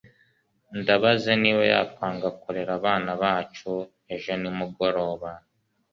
Ndabaza niba yakwanga kurera abana bacu ejo nimugoroba